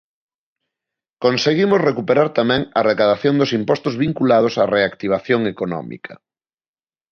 Conseguimos recuperar tamén a recadación dos impostos vinculados á reactivación económica.